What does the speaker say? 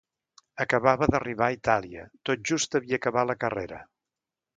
Acabava d’arribar a Itàlia, tot just havia acabat la carrera.